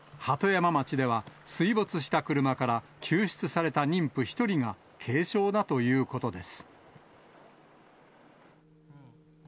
鳩山町では、水没した車から、救出された妊婦１人が軽傷だということです。